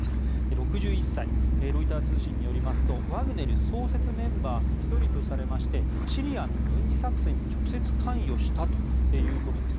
６１歳でロイター通信によりますとワグネル創設メンバーの１人とされましてシリアの軍事作戦に直接、関与したということです。